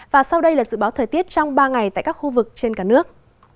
và sau đây là dự báo thời tiết trong ba ngày tại các khu vực trên cả nước